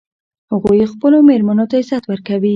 هغوی خپلو میرمنو ته عزت ورکوي